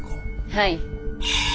はい。